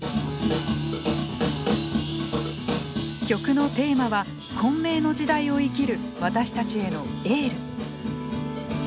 曲のテーマは混迷の時代を生きる私たちへのエール。